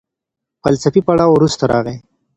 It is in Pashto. فلسفي پړاو وروسته راغی.